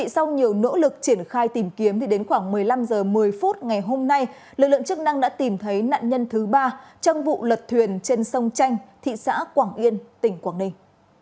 sau nhiều nỗ lực triển khai tìm kiếm đến khoảng một mươi năm h một mươi phút ngày hôm nay lực lượng chức năng đã tìm thấy nạn nhân thứ ba trong vụ lật thuyền trên sông chanh thị xã quảng yên tỉnh quảng ninh